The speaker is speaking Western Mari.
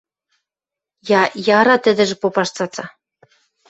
– Я-яра... – тӹдӹжӹ попаш цаца.